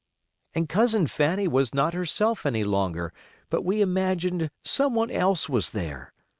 And Cousin Fanny was not herself any longer, but we imagined some one else was there.